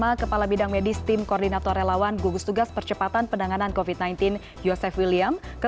oke kita akan lanjutkan bincang bincang terkait hal ini